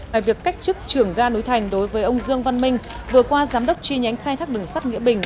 về việc cách chức trưởng ga núi thành đối với ông dương văn minh vừa qua giám đốc tri nhánh khai thác đường sắt nghĩa bình